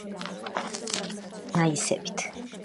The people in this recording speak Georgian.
აგებულია ძირითადად გნაისებით.